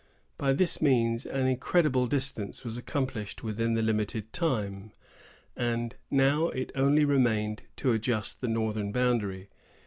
By this means an incredible distance was accomplished within the limited time. And now it only remained to adjust the northern boundary.